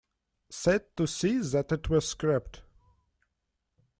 Sad to see that it was scrapped.